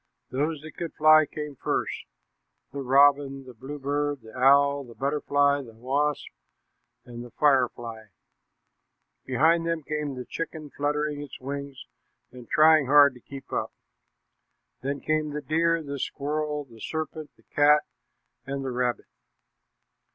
Those that could fly came first: the robin, the bluebird, the owl, the butterfly, the wasp, and the firefly. Behind them came the chicken, fluttering its wings and trying hard to keep up. Then came the deer, the squirrel, the serpent, the cat, and the rabbit.